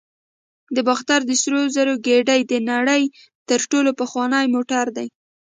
د باختر د سرو زرو ګېډۍ د نړۍ تر ټولو پخوانی موټر دی